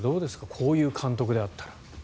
こういう監督であったら。